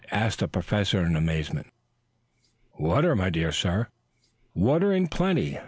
asked the Professor in amazement. "Water, my dear sir. Water in plenty.